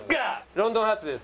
『ロンドンハーツ』です。